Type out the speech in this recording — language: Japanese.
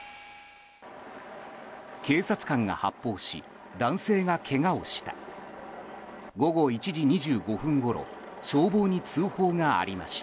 警察官が発砲し男性がけがをした。